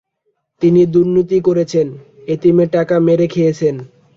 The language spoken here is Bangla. তিনি দুর্নীতি করেছেন, এতিমের টাকা মেরে খেয়েছেন।